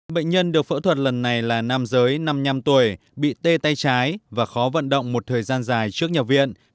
bệnh nhân được phẫu thuật lần này là nam giới năm mươi năm tuổi bị tê tay trái và khó vận động một thời gian dài trước nhà viện